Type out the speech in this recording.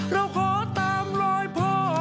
เราขอตามรอยพ่อ